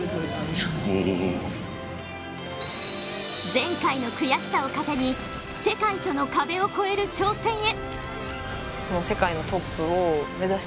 前回の悔しさを糧に世界との壁を超える挑戦へ。